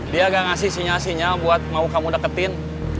dia agak ngasih sinyal sinyal buat mau kamu deketin